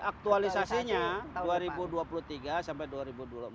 aktualisasinya dua ribu dua puluh tiga sampai dua ribu dua puluh empat